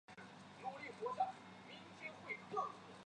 玩家在游戏中必须扮演一名幼稚园学生。